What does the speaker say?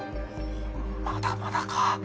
まだまだか。